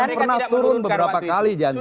dan pernah turun beberapa kali jansen